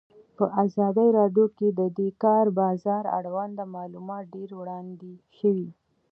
په ازادي راډیو کې د د کار بازار اړوند معلومات ډېر وړاندې شوي.